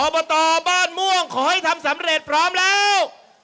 บตบ้านม่วงขอให้ทำสำเร็จพร้อมแล้ว